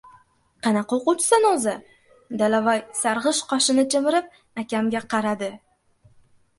— Qanaqa o‘quvchisan, o‘zi? — Dalavoy sarg‘ish qoshini chimirib, akamga qaradi.